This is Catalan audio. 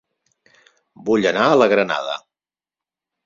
Vull anar a La Granada